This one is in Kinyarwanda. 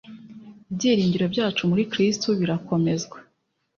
ibyiringiro byacu muri Kristo birakomezwa,